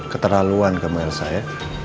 keterlaluan kamu elsa ya